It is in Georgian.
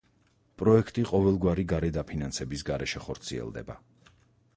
პროექტი ყოველგვარი გარე დაფინანსების გარეშე ხორციელდება.